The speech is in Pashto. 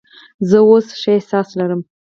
زه اوس ښه احساس لرم.